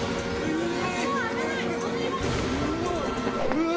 うわ！